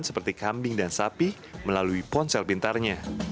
seperti kambing dan sapi melalui ponsel pintarnya